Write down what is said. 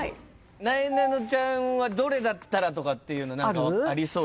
なえなのちゃんはどれだったらとかっていうのありそうですか？